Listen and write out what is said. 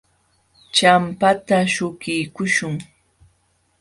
Champata śhukiykuśhun.